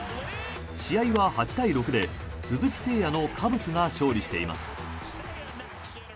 試合は８対６で鈴木誠也のカブスが勝利しています。